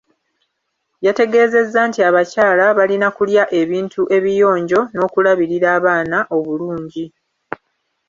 Yategeezezza nti abakyala balina kulya ebintu ebiyonjo n’okulabirira abaana obulungi.